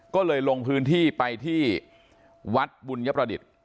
ก็เลยลงพื้นที่ไปที่วัดบุญยประดิษฐ์